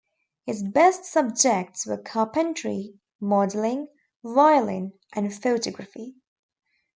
His best subjects were carpentry, modelling, violin and photography.